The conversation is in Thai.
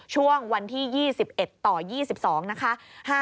ช่วงวันที่๒๑ต่อ๒๒นะคะ